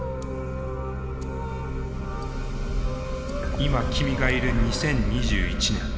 今君がいる２０２１年。